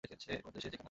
একবার এসে দেখে নাও।